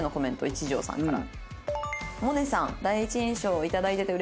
一条さんから。